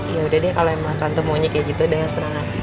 yaudah deh kalau emang tante monyet kayak gitu deh serangan